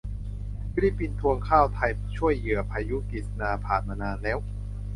ฟิลิปปินส์ทวงข้าวไทยช่วยเหยื่อพายุกิสนา ผ่านมานานแล้ว